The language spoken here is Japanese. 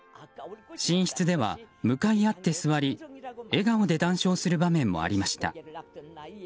寝室では、向かい合って座り笑顔で談笑する場面もありました。